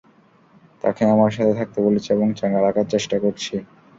তাকে আমার সাথে থাকতে বলেছি এবং চাঙ্গা রাখার চেষ্টা করছি।